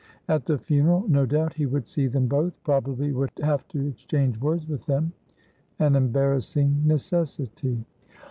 At the funeral, no doubt, he would see them both; probably would have to exchange words with theman embarrassing necessity.